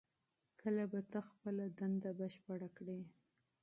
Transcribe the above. کله به ته خپله دنده بشپړه کړې؟